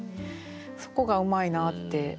そこがうまいなって。